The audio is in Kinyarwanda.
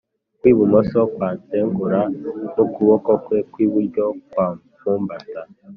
Kw ibumoso kwansegura n ukuboko kwe kw iburyo kwamfumbata